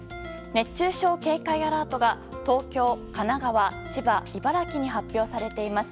熱中症警戒アラートが東京、神奈川、千葉、茨城に発表されています。